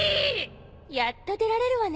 やっと出られるわね。